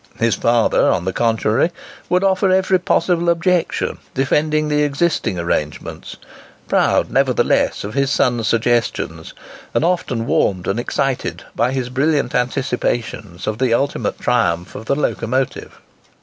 His father, on the contrary, would offer every possible objection, defending the existing arrangements,—proud, nevertheless of his son's suggestions, and often warmed and excited by his brilliant anticipations of the ultimate triumph of the locomotive.